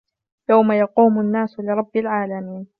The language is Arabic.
يوم يقوم الناس لرب العالمين